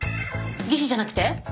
技師じゃなくて？